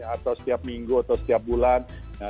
atau setiap minggu atau setiap bulan